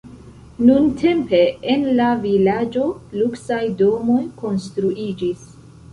Nuntempe en la vilaĝo luksaj domoj konstruiĝis.